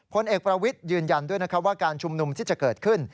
ผลเอกประวิติยืนยันด้วยว่าการชุมหนุ่มที่จะเกิดขึ้น